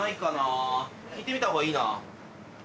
聞いてみた方がいいな。